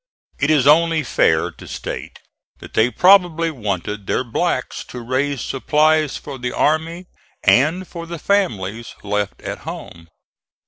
It is only fair to state that they probably wanted their blacks to raise supplies for the army and for the families left at home.